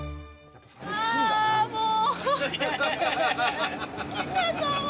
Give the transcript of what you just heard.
あ、もう。